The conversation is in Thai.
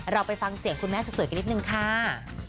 เราไปฟังเสียงคุณแม่สวยกันนิดนึงค่ะ